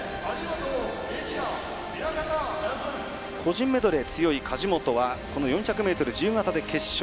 個人メドレー強い梶本はこの４００ｍ自由形で決勝。